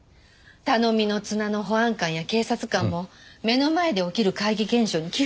頼みの綱の保安官や警察官も目の前で起きる怪奇現象に気がつかないんです。